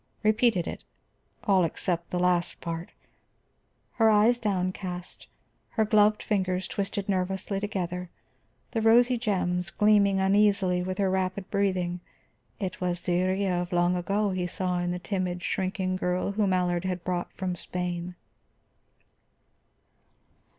Repeated it, all except the last part. Her eyes downcast, her gloved fingers twisted nervously together, the rosy gems gleaming uneasily with her rapid breathing, it was the Iría of long ago he saw the timid, shrinking girl whom Allard had brought from Spain.